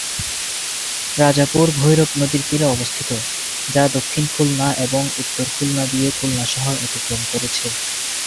রাজাপুর ভৈরব নদীর তীরে অবস্থিত যা দক্ষিণ খুলনা এবং উত্তর খুলনা দিয়ে খুলনা শহর অতিক্রম করেছে।